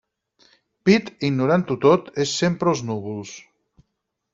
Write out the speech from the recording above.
Pete, ignorant-ho tot, és sempre als núvols.